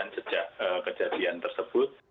sejak kejadian tersebut